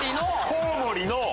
コウモリの？